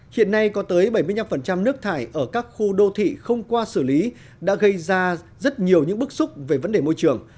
hiện nay có tới bảy mươi năm nước thải ở các khu đô thị không qua xử lý đã gây ra rất nhiều những bức xúc về vấn đề môi trường